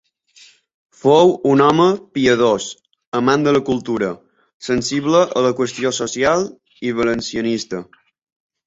Fou un home piadós, amant de la cultura, sensible a la qüestió social i valencianista.